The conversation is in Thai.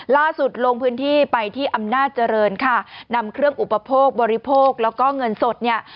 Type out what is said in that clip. ลงพื้นที่ไปที่อำนาจเจริญค่ะนำเครื่องอุปโภคบริโภคแล้วก็เงินสดเนี่ย